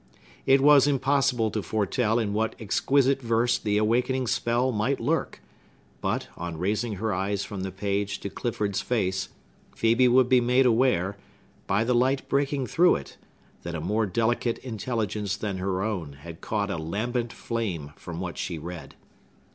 It was impossible to foretell in what exquisite verse the awakening spell might lurk; but, on raising her eyes from the page to Clifford's face, Phœbe would be made aware, by the light breaking through it, that a more delicate intelligence than her own had caught a lambent flame from what she read.